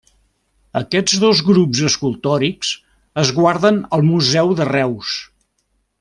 Aquests dos grups escultòrics es guarden al Museu de Reus.